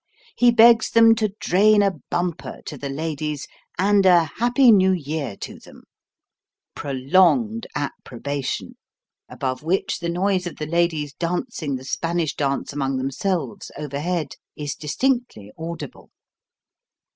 He begs them to drain a bumper to " The Ladies, and a happy new year to them !" (Prolonged approbation ; above which the noise of the ladies dancing the Spanish dance among themselves, overhead, is distinctly audible.)